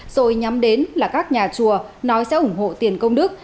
rồi nhắm đến là các nhà chùa nói sẽ ủng hộ tiền công đức